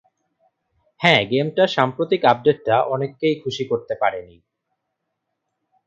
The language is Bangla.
হ্যাঁ, গেমটার সাম্প্রতিক আপডেটটা অনেককেই খুশি করতে পারেনি।